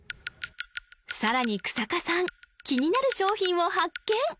さらに日下さん気になる商品を発見！